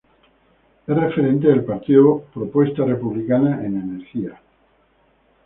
Es referente del partido Propuesta Republicana en Energía.